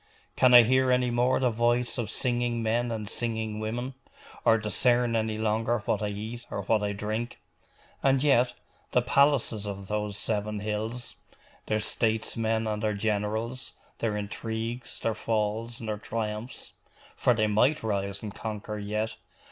Can I hear any more the voice of singing men and singing women; or discern any longer what I eat or what I drink? And yet the palaces of those seven hills, their statesmen and their generals, their intrigues, their falls, and their triumphs for they might rise and conquer yet!